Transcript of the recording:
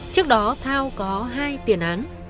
trước đó thao có hai tiền án